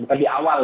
bukan di awal